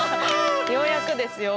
ようやくですよ。